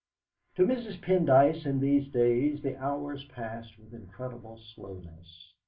To Mrs. Pendyce in these days the hours passed with incredible slowness.